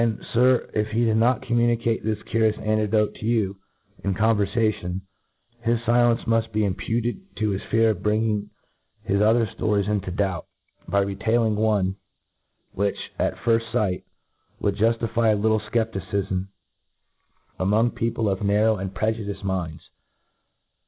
Sir, if he did not commynicate this curious anecdote to you in converfation, his filence muft Ije imputed to his fqar of bringing his other fto rids into doubt, by retailing one, which, at firft fjght, would juftify a little fcepticifm— ramong people lO P R E r A C E people of narrow and prejudifed minds.